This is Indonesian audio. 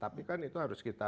tapi kan itu harus kita